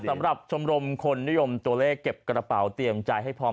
สำหรับชมรมคนนิยมตัวเลขเก็บกระเป๋าเตรียมใจให้พร้อม